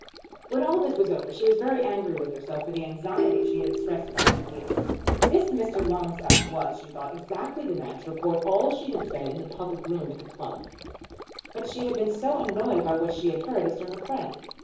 When all this was over she was very angry with herself for the anxiety she had expressed about Tregear. This Mr. Longstaff was, she thought, exactly the man to report all she had said in the public room at the club. But she had been annoyed by what she had heard as to her friend.